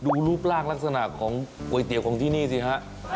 ดูรูปร่างลักษณะของก๋วยเตี๋ยวของที่นี่สิฮะ